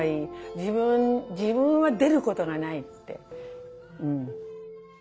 自分自分は出ることがないって。